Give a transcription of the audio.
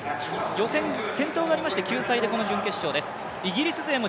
予選、転倒がありまして、救済でこの決勝です。